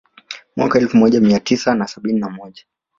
Mwaka elfu moja Mia tisa na sabini na moja